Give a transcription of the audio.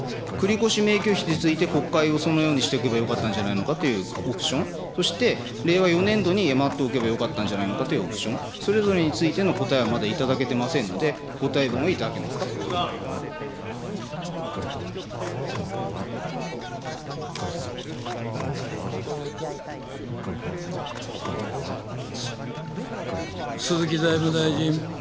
財務大臣、繰り越しめいきょ費について国会でそのようにしておけばよかったんじゃないかというオプション、そして令和４年度に回っておけばよかったのではないかという質問それぞれについての答えはまだ頂けてませんので、ご答弁をいただ鈴木財務大臣。